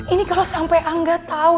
ini kalau sampai angga tahu